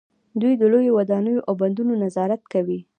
دوی د لویو ودانیو او بندونو نظارت کوي.